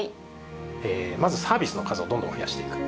まずサービスの数をどんどん増やしていく。